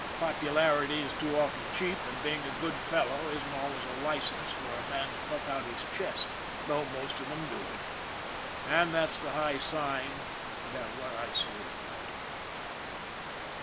Popularity is too often cheap, and being a " good fellow " isn't al ways a license for a man to puff out his chest though "IF A MAN DIE" '" most of them do it, and that's the high sign that what I say is right.